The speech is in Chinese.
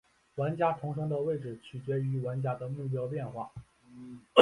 玩家的重生位置取决于玩家的目标变化。